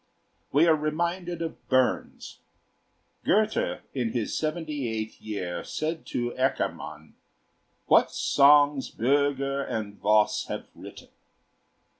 We are reminded of Burns. Goethe in his seventy eighth year said to Eckermann: "What songs Bürger and Voss have written!